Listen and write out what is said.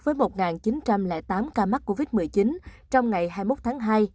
với một chín trăm linh tám ca mắc covid một mươi chín trong ngày hai mươi một tháng hai